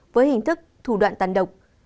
với hình thức thủ đoạn tàn độc